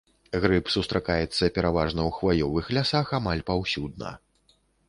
Грыб сустракаецца пераважна ў хваёвых лясах амаль паўсюдна.